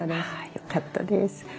あよかったです。